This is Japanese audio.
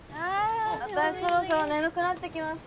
私そろそろ眠くなってきました